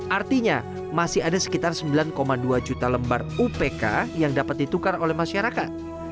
artinya masih ada sekitar sembilan dua juta lembar upk yang dapat ditukar oleh masyarakat